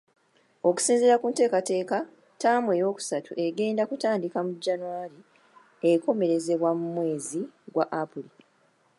Okusinziira ku nteekateeka, ttaamu eyookusatu egenda kutandika mu Janwali ekomekerezebwa mu mwezi gwa Apuli.